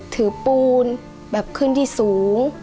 ถือปูนแบบขึ้นที่สูง